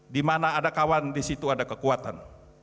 di mana ada kawan di situ ada kekuatan